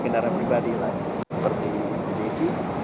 kendaraan pribadi lah seperti jc